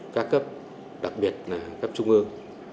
các cấp đặc biệt là cấp trung ương